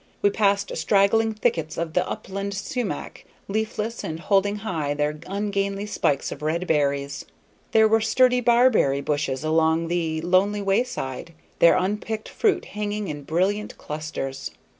We passed straggling thickets of the upland sumach, leafless, and holding high their ungainly spikes of red berries; there were sturdy barberry bushes along the lonely wayside, their unpicked fruit hanging in brilliant clusters.